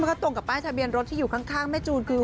ซึ่งโปรดตกกับป้ายทะเบียนรถที่อยู่ข้างแม่จูรคือ